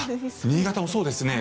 新潟もそうですね